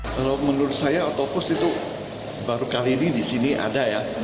kalau menurut saya otopus itu baru kali ini di sini ada ya